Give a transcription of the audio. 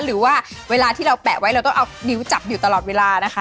หรือว่าเวลาที่เราแปะไว้เราต้องเอานิ้วจับอยู่ตลอดเวลานะคะ